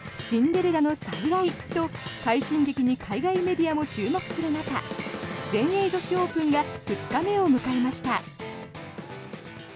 シンデレラの再来と快進撃に海外メディアも注目する中全英女子オープンが２日目を迎えました。